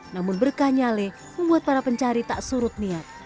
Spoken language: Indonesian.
namun berkah nyale membuat para pencari tak surut niat